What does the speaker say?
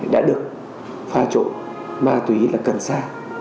đã được pha trộn ma túy là cần xa